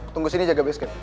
tunggu sini jaga basecamp